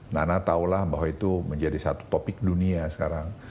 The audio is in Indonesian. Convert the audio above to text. saya tahu lah bahwa itu menjadi satu topik dunia sekarang